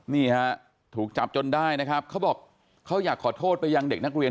นี่ฮะถูกจับจนได้นะครับเขาบอกเขาอยากขอโทษไปยังเด็กนักเรียน